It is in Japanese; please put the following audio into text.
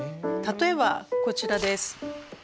例えばこちらです。